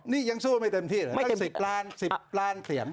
นี่ยังสู้ไม่เต็มที่เหรอ๑๐ล้านเขียน